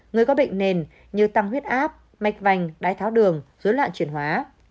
người có bệnh nền như tăng huyết áp mạch vành đáy tháo đường dưới loạn truyền hóa